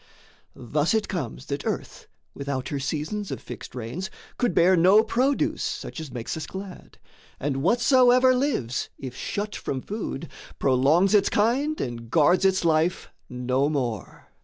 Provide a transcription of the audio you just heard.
Thus it comes That earth, without her seasons of fixed rains, Could bear no produce such as makes us glad, And whatsoever lives, if shut from food, Prolongs its kind and guards its life no more.